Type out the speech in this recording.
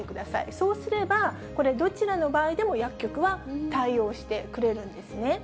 そうすれば、これ、どちらの場合でも薬局は対応してくれるんですね。